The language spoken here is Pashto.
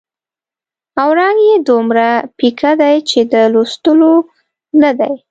او رنګ یې دومره پیکه دی چې د لوستلو نه دی.